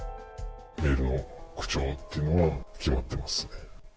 メールの口調というのは決まってますね。